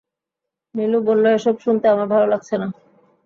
নীলু বলল, এসব শুনতে আমার ভালো লাগছে না।